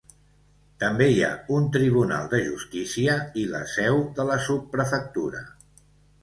També hi ha un tribunal de justícia i la seu de la subprefectura.